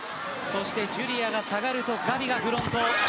ジュリアが下がるとガビがフロントへ。